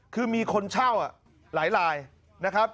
คือมีคนช่าวอ่ะหลายนะครับ